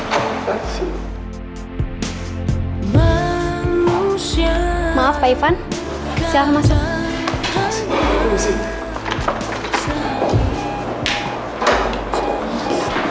terima kasih ibu bersih